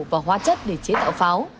và hóa chất để chế tạo pháo